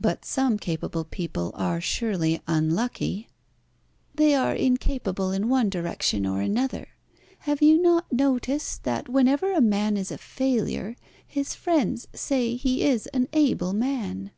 "But some capable people are surely unlucky." "They are incapable in one direction or another. Have you not noticed that whenever a man is a failure his friends say he is an able man.